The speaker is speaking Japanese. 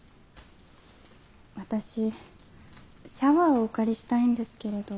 私シャワーをお借りしたいんですけれど。